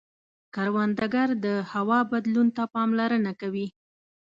کروندګر د هوا بدلون ته پاملرنه کوي